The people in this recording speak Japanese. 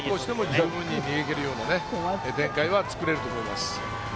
十分に逃げきれるような展開は作れると思います。